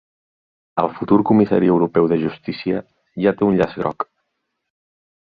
El futur comissari europeu de Justícia ja té un llaç groc